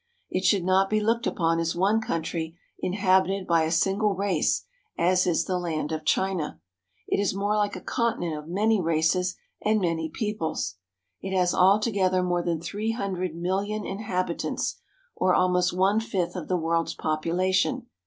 It should not be looked upon as one country inhabited by a single race as is the land of China. It is more like a continent of many races and many peoples. It has all together more than three hundred million inhabitants, or almost one fifth of the world's population.